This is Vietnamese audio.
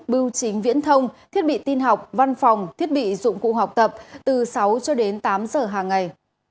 bưu chính viễn thông thiết bị tin học văn phòng thiết bị dụng cụ học tập từ sáu cho đến tám giờ hàng ngày